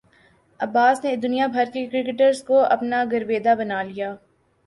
عباس نے دنیا بھر کے کرکٹرز کو اپنا گرویدہ بنا لیا